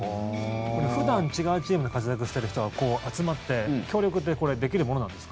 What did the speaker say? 普段、違うチームで活躍してる人が集まって協力ってできるものなんですか？